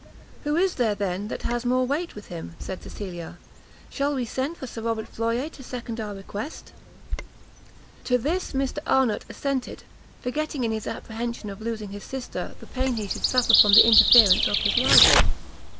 "Who is there, then, that has more weight with him?" said Cecilia, "shall we send for Sir Robert Floyer to second our request?" To this Mr Arnott assented, forgetting in his apprehension of losing his sister, the pain he should suffer from the interference of his rival.